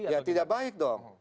ya tidak baik dong